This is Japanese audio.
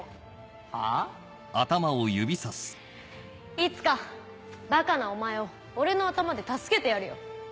いつかバカなお前を俺の頭で助けてやるよ。